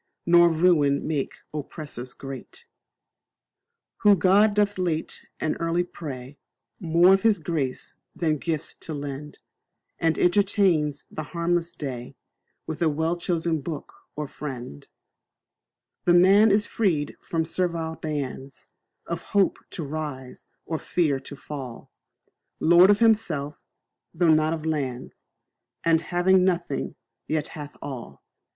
Nor ruin make oppressors great, Who God doth late and early pray More of His grace than gifts to lend; And entertains the harmless day With a well chosen book or friend; This man is freed from servile bands, Of hope to rise or fear to fall; Lord of himself, though not of lands, And having nothing, yet hath all.